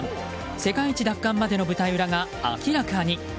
世界一奪還までの舞台裏が明らかに。